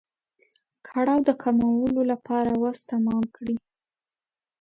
کړاو د کمولو لپاره وس تمام کړي.